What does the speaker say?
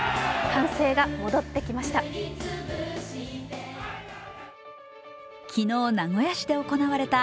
歓声が戻ってきました。